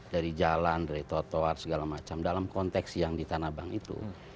dari jalan dari toar toar segala macam dalam konteks yang di tanah bank ini